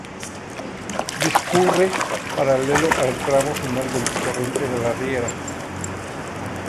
Discurre paralelo al tramo final del torrente de la Riera.